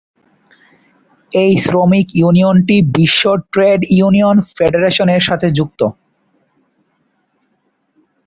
এই শ্রমিক ইউনিয়নটি বিশ্ব ট্রেড ইউনিয়ন ফেডারেশন-এর সাথে যুক্ত।